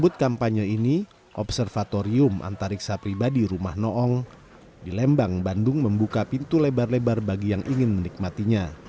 tapi besok pada dasarnya fenomena yang rutin yang setiap saat bisa kita nikmati